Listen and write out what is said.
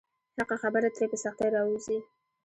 حقه خبره ترې په سختۍ راووځي.